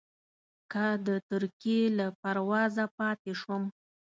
که د ترکیې له پروازه پاتې شوم.